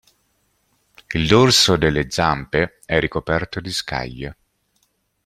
Il dorso delle zampe è ricoperto di scaglie.